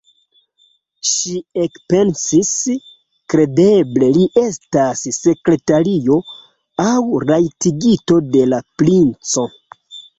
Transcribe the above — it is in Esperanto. Ŝi ekpensis: kredeble li estas sekretario aŭ rajtigito de la princo!